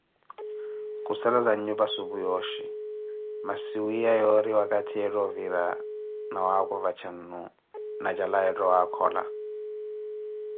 Khusalaza nnyupa supu yoozhi, masi wiiya yoori wakathi yeetta ovira na waakuva cannu, na cala yeetta owaakhola.